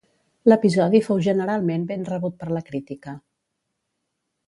L'episodi fou generalment ben rebut per la crítica.